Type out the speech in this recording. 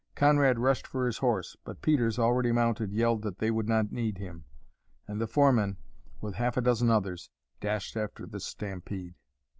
Conrad rushed for his horse, but Peters, already mounted, yelled that they would not need him; and the foreman, with half a dozen others, dashed after the stampede.